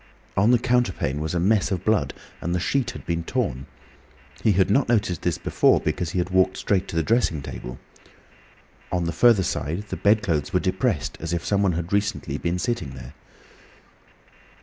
On the counterpane was a mess of blood, and the sheet had been torn. He had not noticed this before because he had walked straight to the dressing table. On the further side the bedclothes were depressed as if someone had been recently sitting there.